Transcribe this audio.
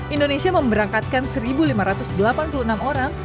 indonesia memberangkatkan satu lima ratus delapan puluh enam orang